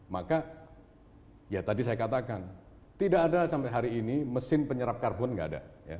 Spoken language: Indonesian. maka ya tadi saya katakan tidak ada sampai hari ini mesin penyerap karbon nggak ada